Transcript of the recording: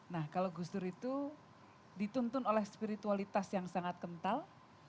nah kalau gus dur itu dituntun oleh spiritualitas yang sangat kental